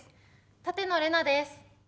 舘野伶奈です。